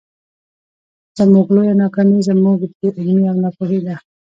زموږ لويه ناکامي زموږ بې علمي او ناپوهي ده.